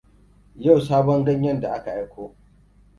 Yau sabon ganyen da aka aiko.